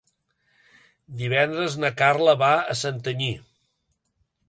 Divendres na Carla va a Santanyí.